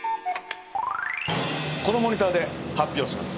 このモニターで発表します！